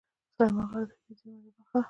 سلیمان غر د طبیعي زیرمو یوه برخه ده.